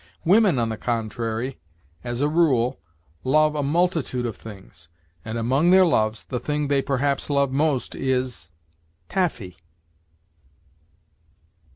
Women, on the contrary, as a rule, love a multitude of things, and, among their loves, the thing they perhaps love most is taffy.